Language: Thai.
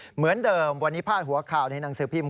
เหมือนเดิมวันนี้พาดหัวข่าวในหนังสือพิมพ